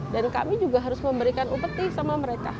dan kami juga harus memberikan ubat juga